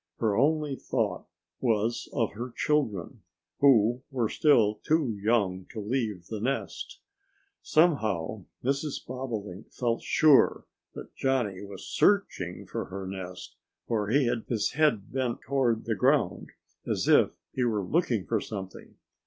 Her only thought was of her children, who were still too young to leave the nest. Somehow Mrs. Bobolink felt sure that Johnnie was searching for her nest, for he had his head bent toward the ground, as if he were looking for something.